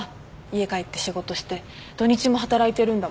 家帰って仕事して土日も働いてるんだもん。